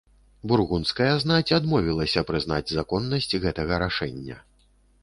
Бургундская знаць адмовілася прызнаць законнасць гэтага рашэння.